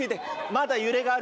まだ揺れがあるから。